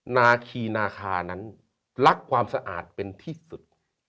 นาคีนาคานั้นรักความสะอาดเป็นที่สุด